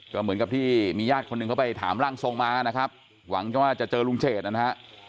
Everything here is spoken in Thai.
ก็เหมือนกับที่มีญาติคนหนึ่งเขาไปถามร่างทรงมานะครับหวังจะว่าจะเจอลุงเฉดนะฮะ